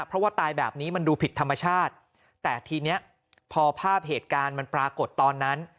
เพราะว่าตายแบบนี้มันดูผิดธรรมชาติแต่ทีเนี้ยพอภาพเหตุการณ์มันปรากฏตอนนั้น